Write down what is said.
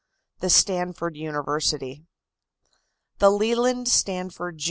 THE STANFORD UNIVERSITY. The Leland Stanford, Jr.